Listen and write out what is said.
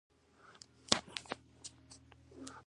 کوچني شرکتونه د لویو فابریکو لپاره لاره هواروي.